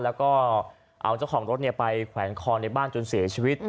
แล้วก็เอาเจ้าของรถไปแขวนคอในบ้านจนเสียชีวิต